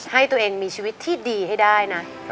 ให้ตัวเองมีชีวิตที่ดีให้ได้นะ